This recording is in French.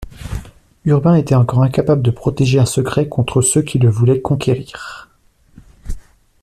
Urbain était encore incapable de protéger un secret contre ceux qui le voulaient conquérir.